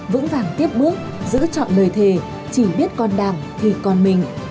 vững vàng tiếp bước giữ chọn lời thề chỉ biết con đảng thì con mình